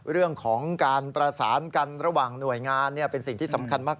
เรื่องของการประสานกันระหว่างหน่วยงานเป็นสิ่งที่สำคัญมาก